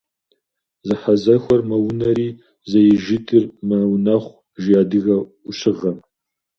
Зэхьэзэхуэр мэунэри, зэижитӀыр мэунэхъу, жи адыгэ Ӏущыгъэм.